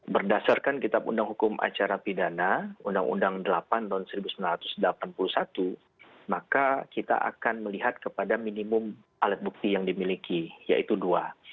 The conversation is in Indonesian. berdasarkan kitab undang hukum acara pidana undang undang delapan tahun seribu sembilan ratus delapan puluh satu maka kita akan melihat kepada minimum alat bukti yang dimiliki yaitu dua